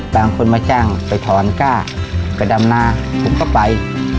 บางคนมาจ้างไปถอนก้าไปดำนาผมก็ไป